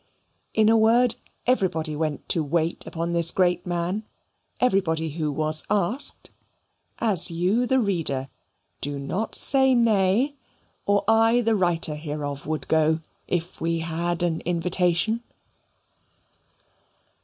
In a word everybody went to wait upon this great man everybody who was asked, as you the reader (do not say nay) or I the writer hereof would go if we had an invitation.